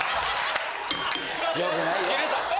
よくないよ。